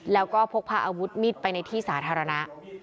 แล้วก็พกพาอาวุธมีดไปในที่สาธารณะ